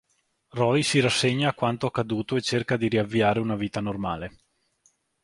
Roy si rassegna a quanto accaduto e cerca di riavviare una vita normale.